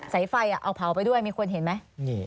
สายไฟเอาเผาไปด้วยมีคนเห็นไหม